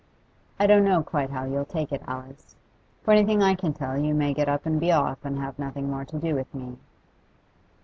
I don't know quite how you'll take it, Alice. For anything I can tell you may get up and be off, and have nothing more to do with me.